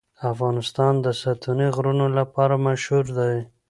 افغانستان د ستوني غرونه لپاره مشهور دی.